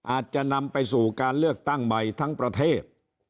อาจจะนำไปสู่การเลือกตั้งใหม่ทั้งประเทศ